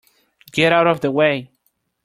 Get out of the way!